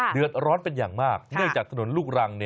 เดือดร้อนเป็นอย่างมากเนื่องจากถนนลูกรัง